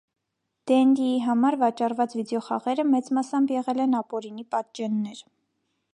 Դենդիի համար վաճառված վիդեոխաղերը մեծ մասամբ եղել են ապօրինի պատճեններ։